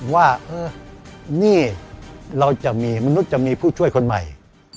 ว่านี่มนุษย์จะมีผู้ช่วยคนใหม่